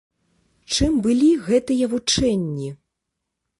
Чым былі гэтыя вучэнні?